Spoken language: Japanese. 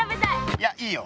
いやいいよ。